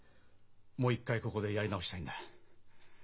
もう一回ここでやり直したいんだ。